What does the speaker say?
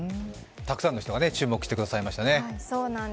たくさんの人が注目してくださいましたね。